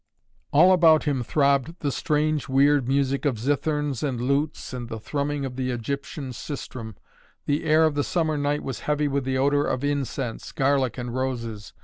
All about him throbbed the strange, weird music of zitherns and lutes and the thrumming of the Egyptian Sistrum. The air of the summer night was heavy with the odor of incense, garlic and roses.